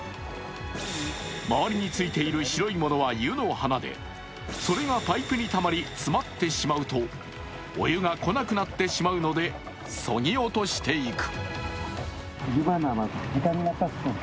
周りについている白いものは湯の花で、それがパイプにたまり詰まってしまうとお湯が来なくなってしまうので、そぎ落としていく。